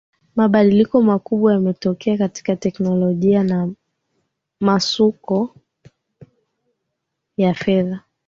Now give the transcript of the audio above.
mabadiliko makubwa yametokea katika teknolojia na masoko ya fedha